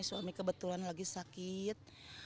suami kebetulan lagi sakit